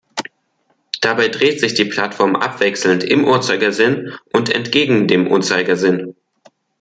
Dabei dreht sich die Plattform abwechselnd im Uhrzeigersinn und entgegen dem Uhrzeigersinn.